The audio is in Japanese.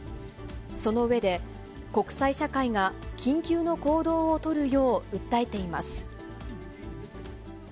その上で、国際社会が緊急の行動を取るよう訴えています。